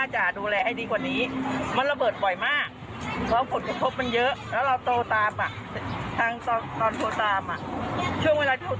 ช่วงเวลาเท่าต่ำมันประมาณ๒๐ประเทียมันช้าไป